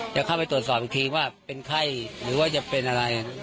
จะเข้าไปตรวจสอบอีกทีว่าเป็นไข้หรือว่าจะเป็นอะไร